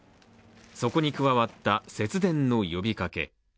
そこに加わった節電の呼びかけ。